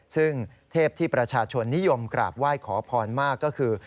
ซึ่งเทพที่ประชาชนนิยมกราบไหว้ขอพรมากก็คือ